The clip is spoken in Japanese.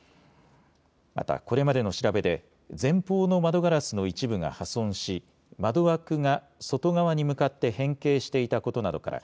また、これまでの調べで前方の窓ガラスの一部が破損し窓枠が外側に向かって変形していたことなどから